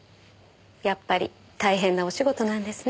やっぱり大変なお仕事なんですね。